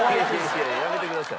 いやいややめてください。